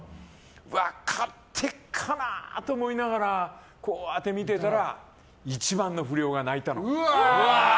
分かってるかなと思いながらこうやってみてたら一番の不良が泣いたの。